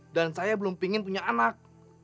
dan saya belum ingin punya anak